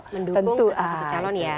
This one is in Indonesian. mendukung sesuatu calon ya